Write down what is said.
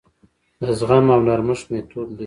د زغم او نرمښت میتود لري.